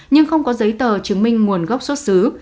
nhưng không có giấy tờ chứng minh nguồn gốc xuất xứ